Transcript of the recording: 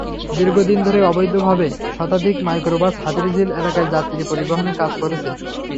দীর্ঘদিন ধরে অবৈধভাবে শতাধিক মাইক্রোবাস হাতিরঝিল এলাকায় যাত্রী পরিবহনের কাজ করেছে।